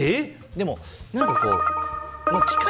でも、何かこう機械